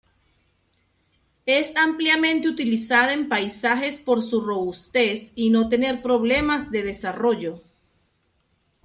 Es ampliamente utilizada en paisajes por su robustez y no tener problemas de desarrollo.